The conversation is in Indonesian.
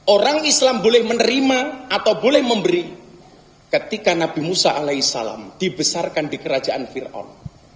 orang islam boleh menerima atau boleh memberi ketika nabi musa alai salam dibesarkan di kerajaan ⁇ firam